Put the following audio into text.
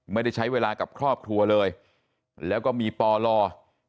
ไม่ได้ใช้เวลากับครอบครัวเลยแล้วก็มีปอลอร์